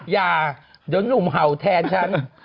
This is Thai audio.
อย่าย้อนหนุ่มเห่าแทนฉัน